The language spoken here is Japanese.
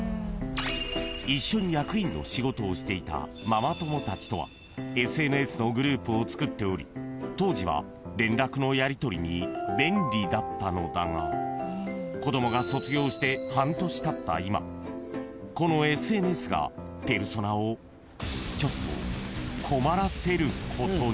［一緒に役員の仕事をしていたママ友たちとはＳＮＳのグループを作っており当時は連絡のやりとりに便利だったのだが子供が卒業して半年たった今このＳＮＳがペルソナをちょっと困らせることに］